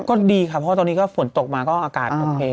ก็ดีค่ะเพราะว่าตอนนี้ก็ฝนตกมาก็อากาศโอเค